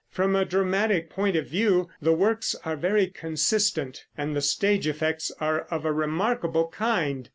From a dramatic point of view the works are very consistent, and the stage effects are of a remarkable kind.